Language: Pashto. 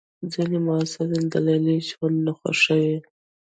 ځینې محصلین د لیلیې ژوند نه خوښوي.